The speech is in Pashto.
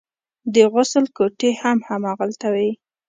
د غسل کوټې هم هماغلته وې.